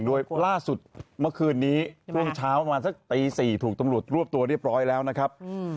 โดยล่าสุดเมื่อคืนนี้ช่วงเช้าประมาณสักตี๔ถูกตำรวจรวบตัวเรียบร้อยแล้วนะครับ